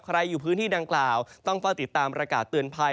อยู่พื้นที่ดังกล่าวต้องเฝ้าติดตามประกาศเตือนภัย